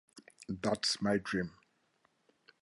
That's my dream.